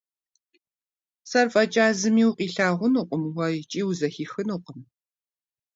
Сэр фӀэкӀа зыми укъилъагъунукъым уэ, икӀи узэхихынукъым…